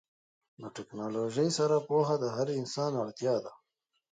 د ټیکنالوژۍ سره پوهه د هر انسان اړتیا ده.